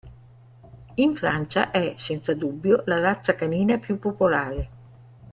In Francia è, senza dubbio, la razza canina più popolare.